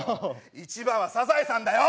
１番はサザエさんだよ！